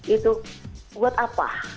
itu buat apa